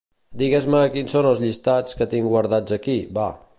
Digues-me quins son els llistats que tinc guardats aquí, va.